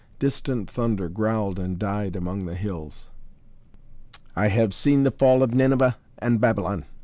Distant thunder growled and died among the hills. "I have seen the fall of Nineveh and Babylon.